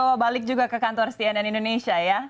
jangan lupa balik juga ke kantor stn dan indonesia ya